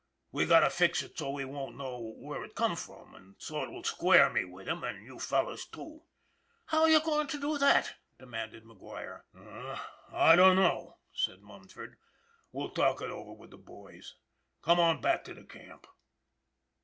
We got to fix it so he won't know where it come from, and so it will square me with him, and you fellows, too." " How you goin' to do that ?" demanded McGuire. "I dunno," said Munford. "We'll talk it over with the boys. Come on back to camp."